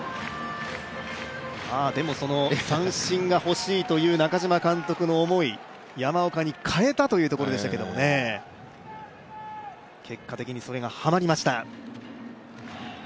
でも三振が欲しいという中嶋監督の思い、山岡に替えたというところでしたけれども、結果的にそれがハマりました。